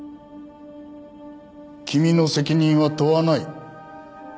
君の責任は問わない。